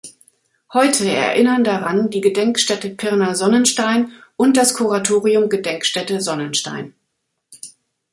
Heute erinnern daran die Gedenkstätte Pirna-Sonnenstein und das Kuratorium Gedenkstätte Sonnenstein.